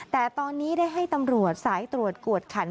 แต่ตอนนี้ได้ให้ตำรวจสายตรวจกวดขัน